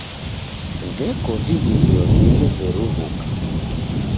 Veko vighirio vimu veruw'uka.